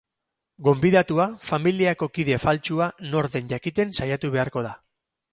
Gonbidatua familiako kide faltsua nor den jakiten saiatu beharko da.